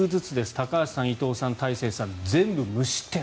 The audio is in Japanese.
高橋さん、伊藤さん、大勢さん全部無失点。